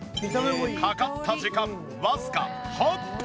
かかった時間わずか８分。